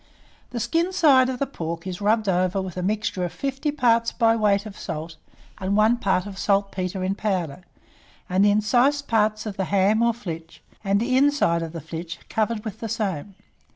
The skin side of the pork is rubbed over with a mixture of fifty parts by weight of salt, and one part of saltpetre in powder, and the incised parts of the ham or flitch, and the inside of the flitch covered with the same.